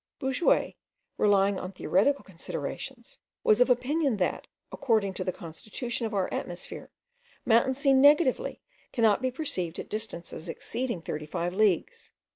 Bouguer, relying on theoretical considerations, was of opinion that, according to the constitution of our atmosphere, mountains seen negatively cannot be perceived at distances exceeding 35 leagues.